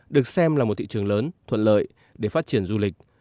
được xem là một thị trường lớn thuận lợi để phát triển du lịch